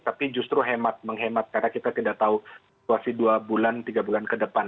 tapi justru hemat menghemat karena kita tidak tahu situasi dua bulan tiga bulan ke depan